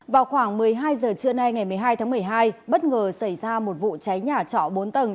vào khoảng một mươi hai giờ trưa nay ngày một mươi hai tháng một mươi hai bất ngờ xảy ra một vụ cháy nhà trọ bốn tầng